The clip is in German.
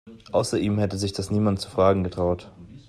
Außer ihm hätte sich das niemand zu fragen getraut.